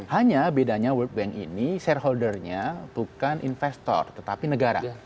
hanya bedanya world bank ini shareholdernya bukan investor tetapi negara